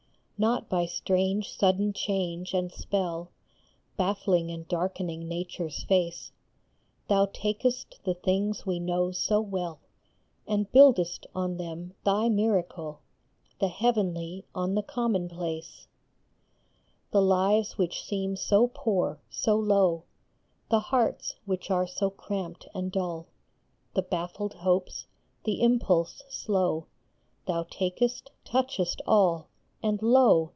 Not by strange sudden change and spell, Baffling and darkening Nature s face ; Thou takest the things we know so well And buildest on them thy miracle, The heavenly on the commonplace. MIRACLE. 31 The lives which seem so poor, so low, The hearts which are so cramped and dull, The baffled hopes, the impulse slow, Thou takest, touchest all, and lo